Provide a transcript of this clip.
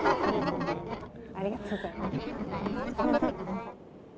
ありがとうございます。